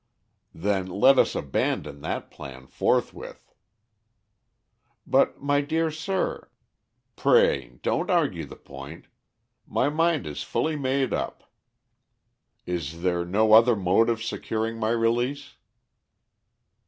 "Then let us abandon that plan forthwith." "But my dear sir " "Pray don't argue the point. My mind is fully made up. Is there no other mode of securing my release?"